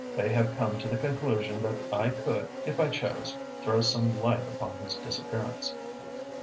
They have come to the conclusion that I could, if I chose, throw some light upon his disappearance."